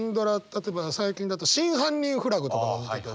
例えば最近だと「真犯人フラグ」とか見てて。